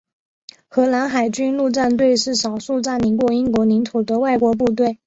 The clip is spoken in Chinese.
荷兰海军陆战队是少数占领过英国领土的外国部队。